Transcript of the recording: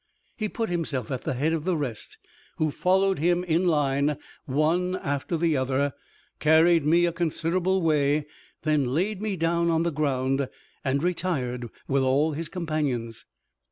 He put himself at the head of the rest, who followed him in line, one after the other, carried me a considerable way, then laid me down on the ground, and retired with all his companions.